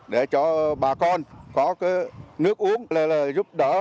để cho bà con có cái nước uống là giúp đỡ